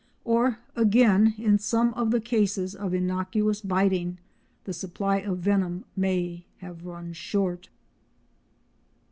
Or again, in some of the cases of innocuous biting, the supply of venom may have run short.